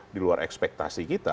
di luar ekspektasi kita